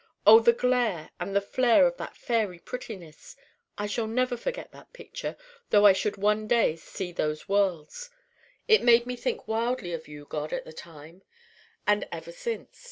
O the glare and the flare of that fairy prettiness! I shall never forget that picture though I should one day see those worlds. It made me think wildly of you, God, at the time and ever since.